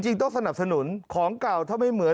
ต้องสนับสนุนของเก่าถ้าไม่เหมือน